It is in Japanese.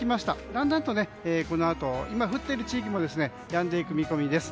だんだんこのあと今、降っている地域もやんでいく見込みです。